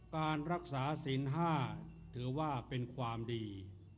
การรักษาศีล๕ถือว่าเป็นความดี